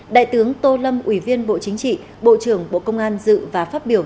đại tướng tô lâm ủy viên bộ chính trị bộ trưởng bộ công an dự và phát biểu